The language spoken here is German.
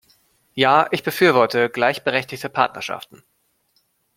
Ja, ich befürworte gleichberechtigte Partnerschaften!